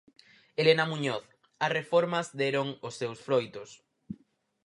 Elena Muñoz: As reformas deron os seus froitos.